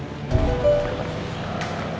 kalau lo gak mau mati konyol